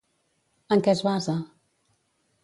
En què es basa?